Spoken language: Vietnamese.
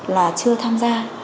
là chưa tham gia